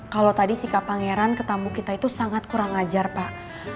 kalau tadi sikap pangeran ke tamu kita itu sangat kurang ajar pak